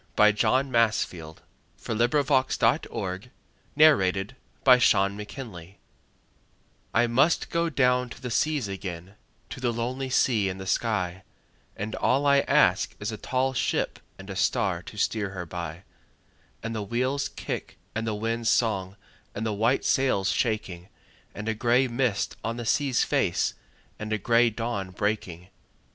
C D . E F . G H . I J . K L . M N . O P . Q R . S T . U V . W X . Y Z Sea Fever I MUST down to the seas again, to the lonely sea and the sky, And all I ask is a tall ship and a star to steer her by, And the wheel's kick and the wind's song and the white sail's shaking, And a gray mist on the sea's face, and a gray dawn breaking.